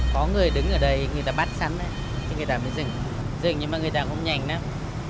có người đứng ở đây người ta bắt sắn người ta mới dừng dừng nhưng mà người ta cũng nhanh lắm